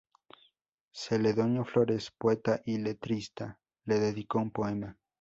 Celedonio Flores, poeta y letrista, le dedicó un poema.